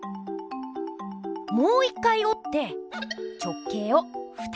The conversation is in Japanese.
もう一回おって直径を２つ作る。